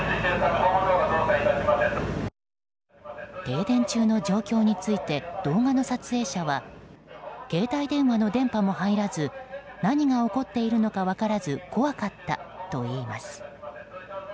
停電中の状況について動画の撮影者は携帯電話の電波も入らず何が起こっているのか分からず怖かったといいます。